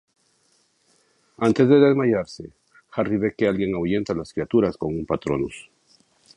Antes de desmayarse, Harry ve que alguien ahuyenta a las criaturas con un patronus.